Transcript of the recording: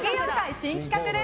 新企画です。